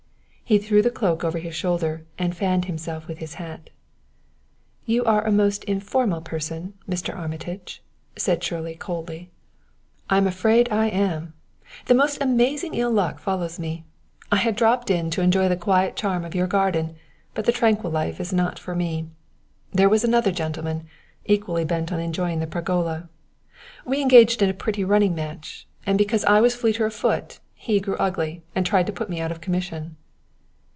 He threw the cloak over his shoulder and fanned himself with his hat. "You are a most informal person, Mr. Armitage," said Shirley coldly. "I'm afraid I am! The most amazing ill luck follows me! I had dropped in to enjoy the quiet and charm of your garden, but the tranquil life is not for me. There was another gentleman, equally bent on enjoying the pergola. We engaged in a pretty running match, and because I was fleeter of foot he grew ugly and tried to put me out of commission."